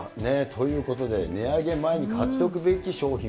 ということで、値上げ前に買っておくべき商品